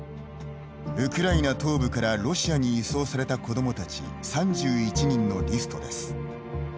ウクライナ東部からロシアに移送された子どもたち３１人のリストです。